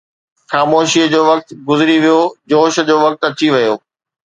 خاموشيءَ جو وقت گذري ويو، جوش جو وقت اچي ويو